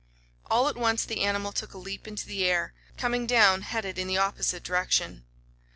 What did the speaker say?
All at once the animal took a leap into the air, coming down headed in the opposite direction.